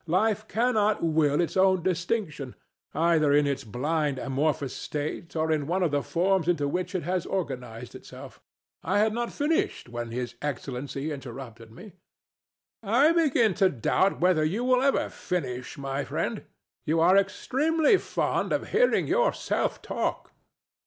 Life cannot will its own extinction either in its blind amorphous state or in any of the forms into which it has organized itself. I had not finished when His Excellency interrupted me. THE STATUE. I begin to doubt whether you ever will finish, my friend. You are extremely fond of hearing yourself talk.